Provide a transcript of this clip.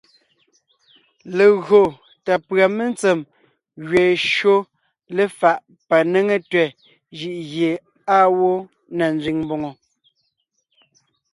Legÿo tà pʉ̀a mentsèm gẅeen shÿó léfaʼ panéŋe tẅɛ̀ jʉʼ gie àa gwó na nzẅìŋ mbòŋo.